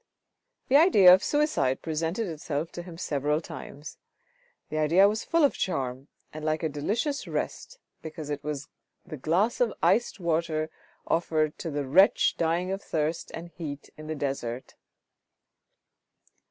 The idea of suicide presented itself to him several times ; the idea was full of charm, and like a delicious rest ; because it was the glass of iced water offered to the wretch dying of thirst and heat in the desert.